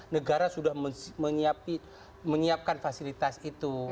negara sudah menyiapkan fasilitas itu